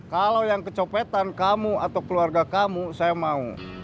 kalau yang kecopetan kamu atau keluarga kamu saya mau